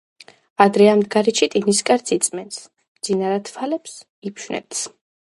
ადრე ამდგარი ჩიტი ნისკარტს იწმენდს, მძინარა თვალებს იფშვნეტს